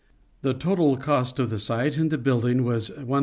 The total cost of the gite and the building was ^1320.